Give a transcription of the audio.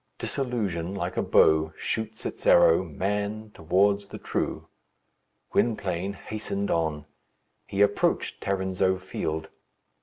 Disillusion, like a bow, shoots its arrow, man, towards the True. Gwynplaine hastened on. He approached Tarrinzeau Field.